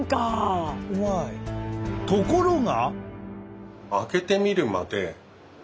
ところが。